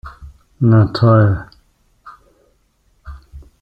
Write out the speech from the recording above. Na toll!